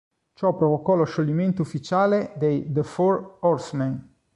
Ciò provocò lo scioglimento ufficiale dei The Four Horsemen.